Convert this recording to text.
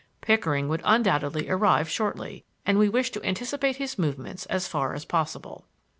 Pickering would undoubtedly arrive shortly, and we wished to anticipate his movements as far as possible.